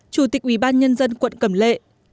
chủ tịch ủy ban nhân dân quận cẩm lệ